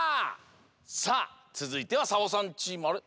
さあつづいてはサボさんチームあれ？